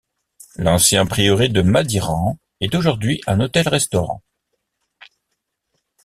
L'ancien prieuré de Madiran est aujourd'hui un hôtel-restaurant.